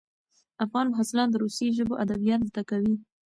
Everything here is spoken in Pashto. افغان محصلان د روسي ژبو ادبیات زده کوي.